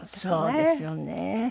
そうですよね。